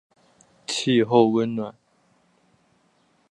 气候温暖。